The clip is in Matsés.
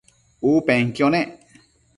U penquio nec